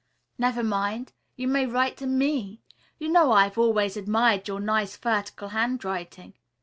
"Never mind. You may write to me. You know I have always admired your nice vertical handwriting.